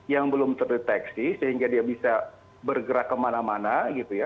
yang belum terdeteksi sehingga dia bisa bergerak kemana mana gitu ya